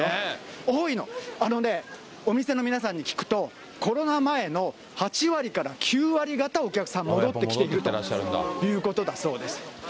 多いの、お店の皆さんに聞くと、コロナ前の８割から９割方お客さん戻ってきているということだそうです。